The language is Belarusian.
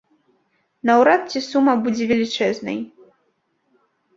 Наўрад ці сума будзе велічэзнай.